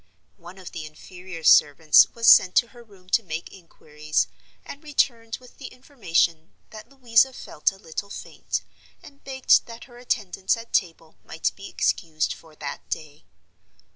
One of the inferior servants was sent to her room to make inquiries, and returned with the information that "Louisa" felt a little faint, and begged that her attendance at table might be excused for that day.